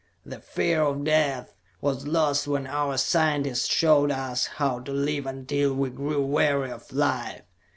The fear of death was lost when our scientists showed us how to live until we grew weary of life.